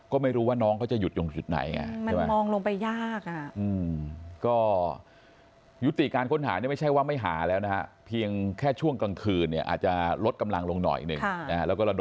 ก็ไม่รู้ว่าน้องเขาจะหยุดตรงจุดไหน